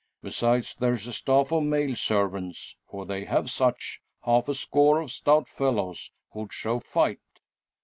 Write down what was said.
Besides, there's a staff of male servants for they have such half a score of stout fellows, who'd show fight.